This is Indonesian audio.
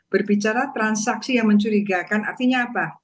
berbicara transaksi yang mencurigakan artinya apa